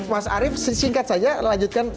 mas arief singkat saja lanjutkan